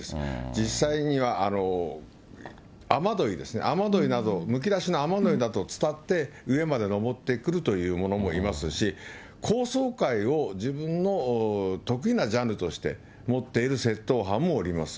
実際には雨どいですね、雨どいなど、むき出しの雨どいなどをつたって、上まで登ってくるというものもいますし、高層階を自分の得意なジャンルとして持っている窃盗犯もおります。